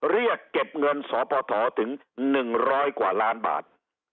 เรียกเก็บเงินสพถึง๑๐๐กว่าล้านบาท